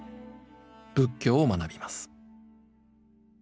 仏教を学びます。